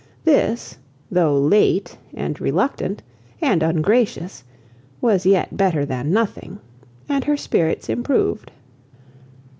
This, though late, and reluctant, and ungracious, was yet better than nothing, and her spirits improved.